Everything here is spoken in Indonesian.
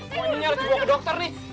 nya aku mau nyari gue ke dokter nih